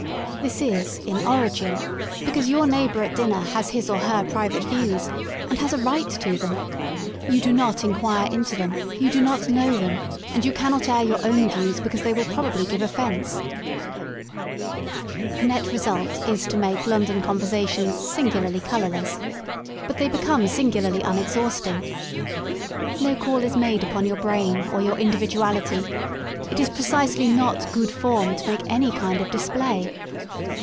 This is, in origin, because your neighbour at dinner has his or her private views, and has a right to them. You do not enquire into them, you do not know them, and you cannot air your own views because they will probably give offence. The net result is to make London conversations sin gularly colourless ; but they become singularly unex hausting. No call is made upon your brain or your individuality ; it is precisely not good form " to make any kind of display.